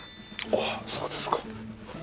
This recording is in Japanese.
あっそうですか。